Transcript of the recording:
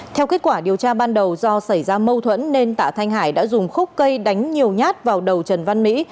theo kết quả điều tra ban đầu do xảy ra mâu thuẫn nên tạ thanh hải đã dùng khúc cây đánh nhiều nhát vào đầu trần văn mỹ